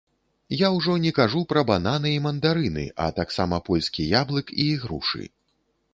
Я ўжо не кажу пра бананы і мандарыны, а таксама польскі яблык і ігрушы.